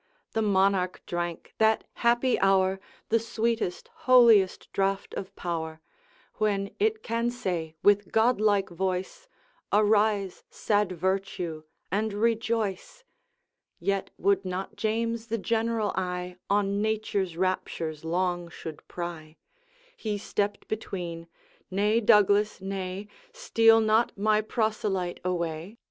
The Monarch drank, that happy hour, The sweetest, holiest draught of Power, When it can say with godlike voice, Arise, sad Virtue, and rejoice! Yet would not James the general eye On nature's raptures long should pry; He stepped between ' Nay, Douglas, nay, Steal not my proselyte away!